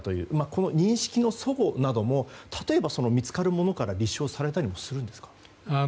この認識の齟齬というのも例えば見つかるものから立証されたりするんですか？